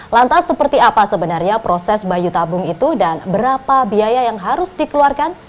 lantas seperti apa sebenarnya proses bayi tabung itu dan berapa biaya yang harus dikeluarkan